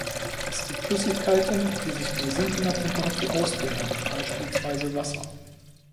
Es gibt Flüssigkeiten, die sich bei sinkender Temperatur ausdehnen, beispielsweise Wasser.